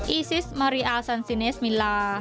ีซิสมาริอาซันซิเนสมิลา